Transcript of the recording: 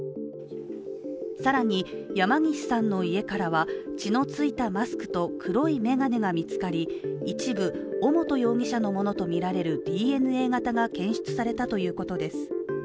更に、山岸さんの家からは血のついたマスクと黒いめがねが見つかり、一部、尾本容疑者のものと見られるＤＮＡ型が検出されたということです。